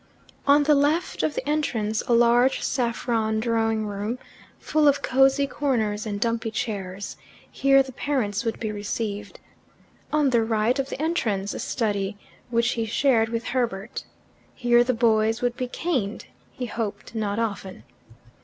On the left of the entrance a large saffron drawing room, full of cosy corners and dumpy chairs: here the parents would be received. On the right of the entrance a study, which he shared with Herbert: here the boys would be caned he hoped not often.